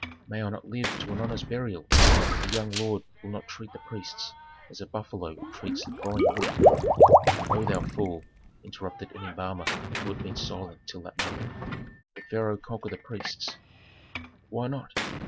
May I not live to an honest burial if the young lord will not treat the priests as a buffalo treats growing wheat." "O thou fool!" interrupted an embalmer who had been silent till that moment. "The pharaoh conquer the priests!" "Why not?"